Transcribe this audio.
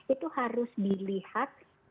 itu harus dilihat